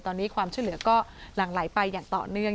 ตอนนี้ความช่วยเหลือก็หลั่งไหลไปอย่างต่อเนื่อง